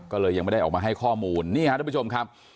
ก็เลยยังไม่ได้ออกมาให้ข้อมูลนี่ฮะทุกผู้ชมครับ